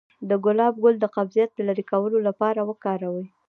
د ګلاب ګل د قبضیت د لرې کولو لپاره وکاروئ